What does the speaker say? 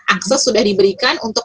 akses sudah diberikan untuk